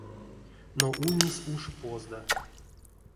Но ульнесь уш позда.